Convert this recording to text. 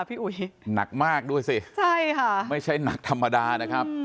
พี่อุ๋ยหนักมากด้วยสิใช่ค่ะไม่ใช่หนักธรรมดานะครับ